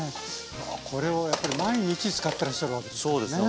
これをやっぱり毎日使ってらっしゃるわけですからね。